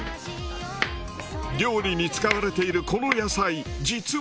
料理に使われているこの野菜実は。